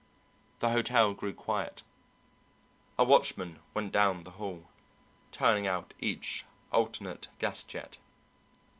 The hotel grew quiet; a watchman went down the hall turning out each alternate gas jet.